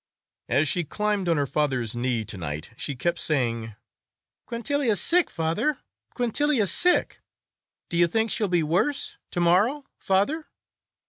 As she climbed on her father's knee to night she kept saying: "Quintilia's sick, father. Quintilia's sick! Do you think she'll be worse, to morrow, father?"